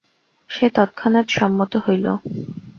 সে তৎক্ষণাৎ সম্মত হইল।